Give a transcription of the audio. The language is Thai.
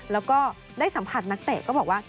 แล้วก็ได้สัมผัสนักเตะก็บอกว่า